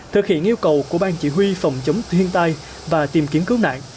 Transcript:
thực hiện yêu cầu của bang chỉ huy phòng chống thiên tai và tìm kiếm cướp nạn